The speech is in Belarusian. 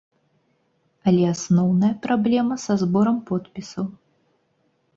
Але асноўная праблема са зборам подпісаў.